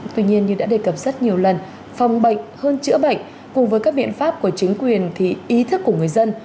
tuy nhiên như đã đề cập rất nhiều lần phòng bệnh hơn chữa bệnh cùng với các biện pháp của chính quyền thì ý thức của người dân